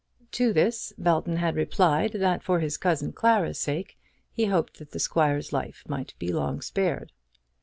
To this Belton had replied that for his cousin Clara's sake he hoped that the squire's life might be long spared.